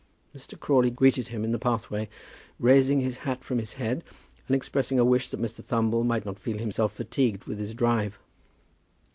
Mr. Crawley greeted him in the pathway, raising his hat from his head, and expressing a wish that Mr. Thumble might not feel himself fatigued with his drive.